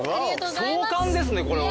壮観ですねこれは。